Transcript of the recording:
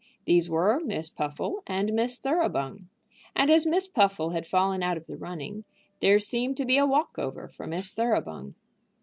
These were Miss Puffle and Miss Thoroughbung, and as Miss Puffle had fallen out of the running, there seemed to be a walk over for Miss Thoroughbung.